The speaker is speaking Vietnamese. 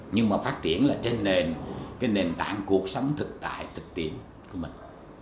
nhưng mà phát triển là trên nền cái nền tảng cuộc sống thực tại thực tiễn của mình